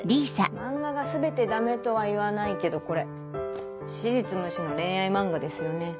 漫画が全てダメとは言わないけどこれ史実無視の恋愛漫画ですよね。